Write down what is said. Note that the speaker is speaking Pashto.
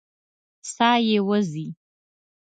ساه یې وځي.